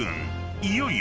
［いよいよ］